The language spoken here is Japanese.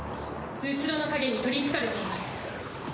虚の影に取りつかれています！